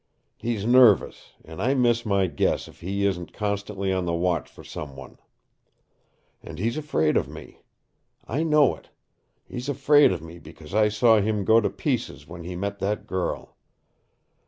He's nervous, and I miss my guess if he isn't constantly on the watch for some one. And he's afraid of me. I know it. He's afraid of me because I saw him go to pieces when he met that girl.